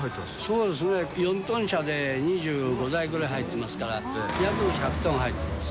そうですね、４トン車で２５台ぐらい入ってますから、約１００トン入ってます。